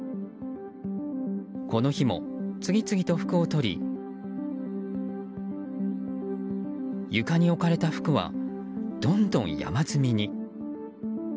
この日も次々と服をとり床に置かれた服はどんどん山積みに。